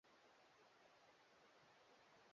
Iran imeamua kusitisha mazungumzo yake ya siri